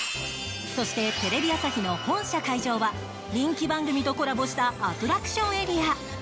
そしてテレビ朝日の本社会場は人気番組とコラボしたアトラクションエリア。